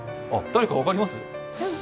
誰か、分かります？